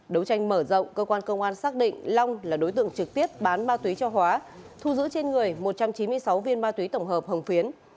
đấu tranh mở rộng cơ quan công an xác định long là đối tượng trực tiếp bán ma túy cho hóa thu giữ trên người một trăm chín mươi sáu viên ma túy tổng hợp hồng phiến